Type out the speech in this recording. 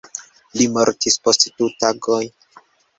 Li mortis post du tagoj.